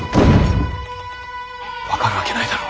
分かるわけないだろ。